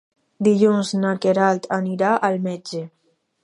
Dilluns na Queralt anirà al metge.